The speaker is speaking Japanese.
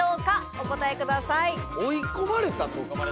お答えください。